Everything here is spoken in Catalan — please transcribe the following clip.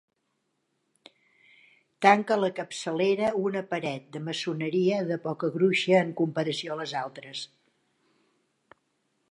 Tanca la capçalera una paret de maçoneria de poca gruixa en comparació a les altres.